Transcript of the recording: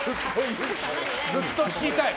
ずっと聞きたい。